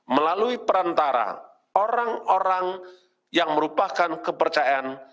melalui perantara orang orang yang merupakan kepercayaan